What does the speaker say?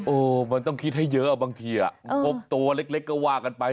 มันต้องคิดให้เยอะบางที๖ตัวเล็กก็ว่ากันไป